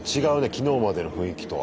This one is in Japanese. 昨日までの雰囲気とは。